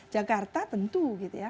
jakarta tentu gitu ya